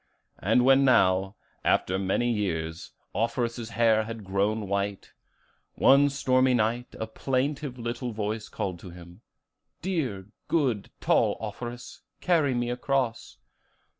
And when now, after many years, Offerus's hair had grown white, one stormy night a plaintive little voice called to him, 'Dear, good, tall Offerus, carry me across.